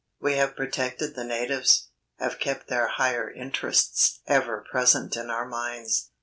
We have protected the natives, have kept their higher interests ever present in our minds.